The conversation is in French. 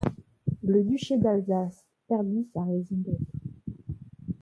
Le duché d'Alsace perdit sa raison d'être.